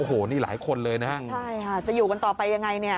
โอ้โหนี่หลายคนเลยนะฮะใช่ค่ะจะอยู่กันต่อไปยังไงเนี่ย